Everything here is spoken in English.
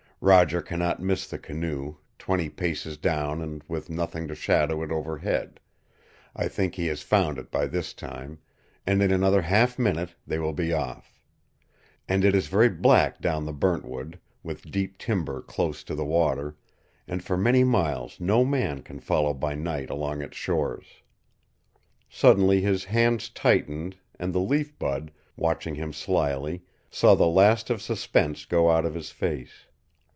Roger cannot miss the canoe twenty paces down and with nothing to shadow it overhead; I think he has found it by this time, and in another half minute they will be off. And it is very black down the Burntwood, with deep timber close to the water, and for many miles no man can follow by night along its shores." Suddenly his hands tightened, and the Leaf Bud, watching him slyly, saw the last of suspense go out of his face.